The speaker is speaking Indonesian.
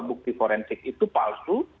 bukti forensik itu palsu